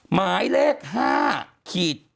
หมายเลข๕๙๐๐๑๙